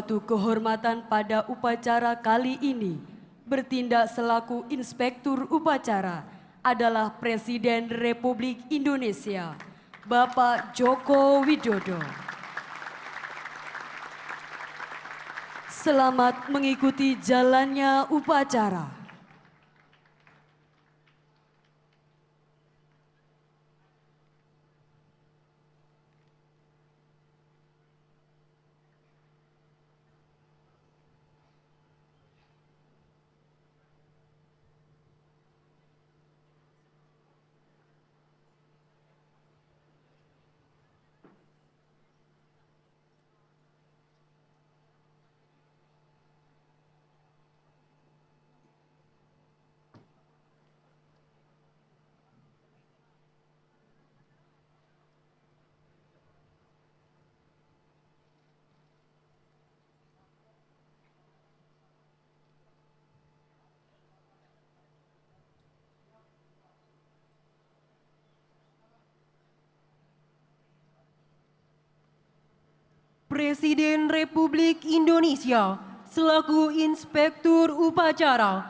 terima kasih atas perkenan dan tamu undangan yang berbahagia